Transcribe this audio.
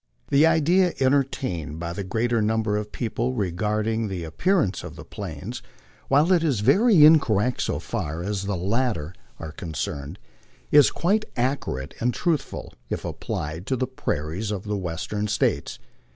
The idea entertained by the greater number of people regarding the ap pearance of the Plains, while it is very incorrect so far as the latter are con cerned, is quite accurate and truthful if applied to the prairies of the Western States.